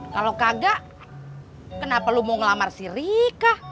kalau kagak kenapa lo mau ngelamar si rika